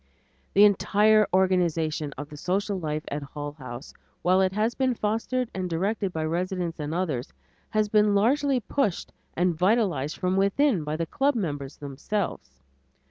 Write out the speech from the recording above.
The entire organization of the social life at Hull House, while it has been fostered and directed by residents and others, has been largely pushed and vitalized from within by the club members themselves.